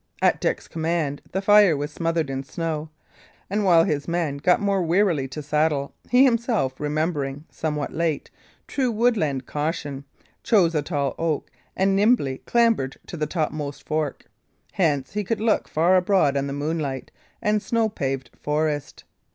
At Dick's command, the fire was smothered in snow; and while his men got once more wearily to saddle, he himself, remembering, somewhat late, true woodland caution, chose a tall oak and nimbly clambered to the topmost fork. Hence he could look far abroad on the moonlit and snow paven forest.